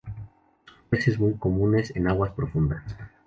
Son peces muy comunes en aguas profundas.